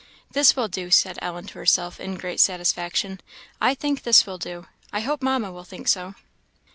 "This will do," said Ellen to herself, in great satisfaction "I think this will do I hope Mamma will think so."